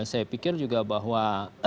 saya pikir juga bahwa